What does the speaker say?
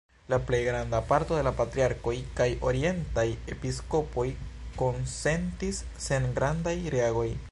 La plej granda parto de la patriarkoj kaj orientaj episkopoj konsentis sen grandaj reagoj.